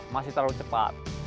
masih terlalu cepat